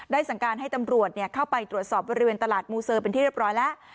สั่งการให้ตำรวจเข้าไปตรวจสอบบริเวณตลาดมูเซอร์เป็นที่เรียบร้อยแล้ว